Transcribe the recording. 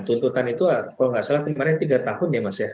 tuntutan itu kalau nggak salah kemarin tiga tahun ya mas ya